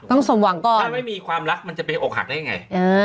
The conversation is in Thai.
ถ้าไม่มีความรักมันจะเป็นอกหักได้ยังไง